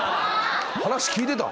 話聞いてた？